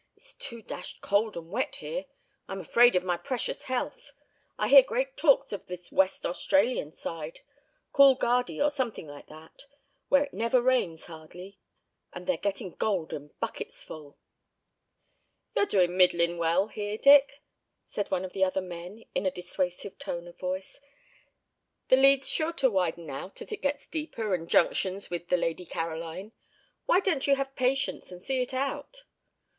It's too dashed cold and wet here. I'm afraid of my precious health. I hear great talks of this West Australian side—Coolgardie, or something like that—where it never rains, hardly, and they're getting gold in buckets' full." "You're doin' middlin' well here, Dick," said one of the other men in a dissuasive tone of voice. "The lead's sure to widen out as it gets deeper and junctions with the Lady Caroline. Why don't you have patience, and see it out?"